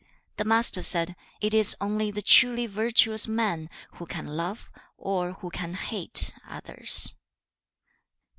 III. The Master said, 'It is only the (truly) virtuous man, who can love, or who can hate, others.'